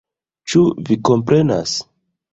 Ĉu Vi komprenas?